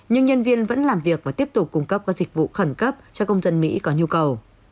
nhưng nhân viên vẫn làm việc và tiếp tục cung cấp các dịch vụ khẩn cấp cho công dân mỹ có nhu cầu